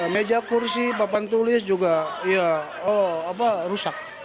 meja kursi papan tulis juga rusak